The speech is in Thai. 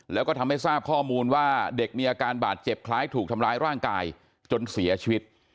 แล้วก็ทำให้ทราบข้อมูลว่าเด็กมีอาการบาดเจ็บคล้ายถูกทำร้ายร่างกายจนเสียชีวิต